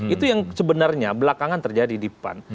itu yang sebenarnya belakangan terjadi di pan